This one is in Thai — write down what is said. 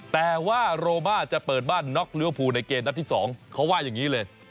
แต่ว่าโรมาจะเปิดบ้านน็อกเลี้ยวภูในเกมนัดที่๒เขาว่าอย่างนี้เลย